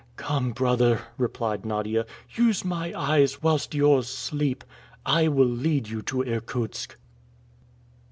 "Come, brother," replied Nadia, "use my eyes whilst yours sleep. I will lead you to Irkutsk."